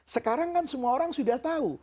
sekarang kan semua orang sudah tahu